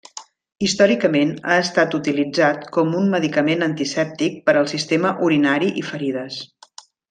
Històricament ha estat utilitzat com un medicament antisèptic per al sistema urinari i ferides.